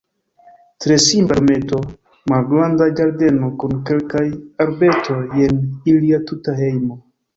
Tre simpla dometo, malgranda ĝardeno kun kelkaj arbetoj, jen ilia tuta hejmo.